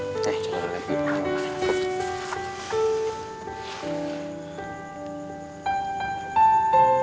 saatnya kita sama lagi gak bisa belajar sama orang lain